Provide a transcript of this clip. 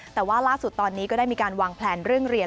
แต่ว่าล่าสุดตอนนี้ก็ได้มีการวางแพลนเรื่องเรียน